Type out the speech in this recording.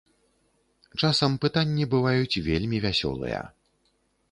Часам пытанні бываюць вельмі вясёлыя.